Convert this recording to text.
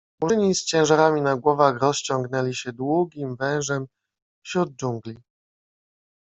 Murzyni z ciężarami na głowach rozciągnęli się długim wężem wśród dżungli.